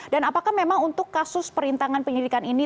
dan apakah memang untuk kasus perintangan penyelidikan ini